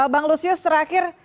bang lucius terakhir